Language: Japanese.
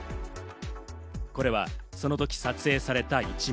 これはその時撮影された１枚。